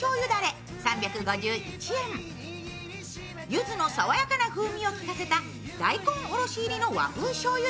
ゆずの爽やかな風味を効かせた大根おろし入りの和風しょうゆ